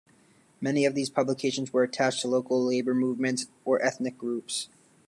Many of these publications were attached to local labour movements or ethnic groups.